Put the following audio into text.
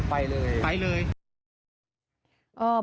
ก็ไปเลยไปเลยไปเลย